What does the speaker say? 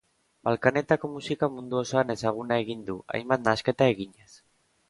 Balkanetako musika mundu osoan ezaguna egin du, hainbat nahasketa eginez.